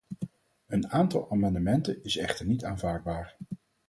Een aantal amendementen is echter niet aanvaardbaar.